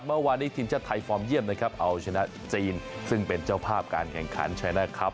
เมื่อวานนี้ทีมชาติไทยฟอร์มเยี่ยมนะครับเอาชนะจีนซึ่งเป็นเจ้าภาพการแข่งขันชัยนะครับ